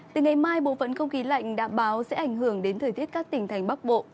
từ ngày mai bộ phận không khí lạnh đã báo sẽ ảnh hưởng đến thời tiết các tỉnh thành bắc bộ